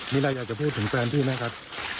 มีอะไรอยากจะพูดถึงแฟนพี่ไหมครับ